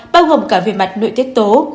bao gồm cả về mặt nội tiết tố